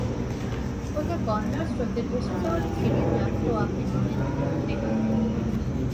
ওদের বন্যার স্রোতে ভেসে যাওয়ার থিওরিটা তো আপনি মানেন না, তাই না?